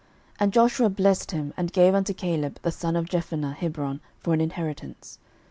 06:014:013 And Joshua blessed him, and gave unto Caleb the son of Jephunneh Hebron for an inheritance.